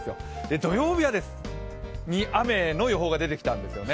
土曜日に雨の予報が出てきたんですね。